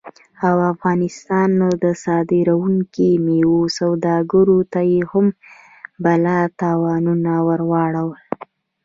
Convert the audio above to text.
او افغانستان نه د صادرېدونکو میوو سوداګرو ته یې هم بلا تاوانونه ور واړول